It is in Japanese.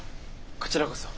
こちらこそ。